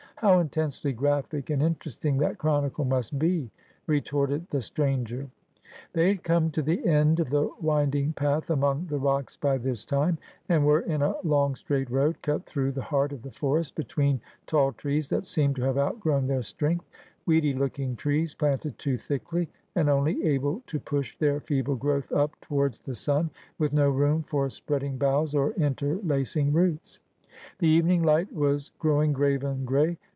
' How intensely graphic and interesting that chronicle must be !' retorted the stranger. They had come to the end of the winding path among the rocks by this time, and were in a long, straight road, cut through the heart of the forest, between tall trees that seemed to have outgrown their strength — weedy looking trees, planted too thickly, and only able to push their feeble growth up towards the sun, with no room for spreading boughs or interlacing roots. The evening light was growing grave and gray.